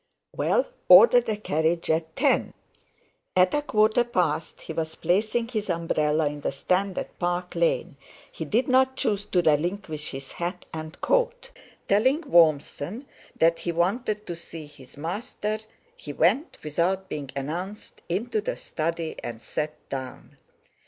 Well, order the carriage at ten!" At a quarter past he was placing his umbrella in the stand at Park Lane—he did not choose to relinquish his hat and coat; telling Warmson that he wanted to see his master, he went, without being announced, into the study, and sat down.